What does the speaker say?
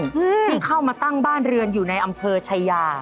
อืมที่เข้ามาตั้งบ้านเรือนอยู่ในอำเภอชายา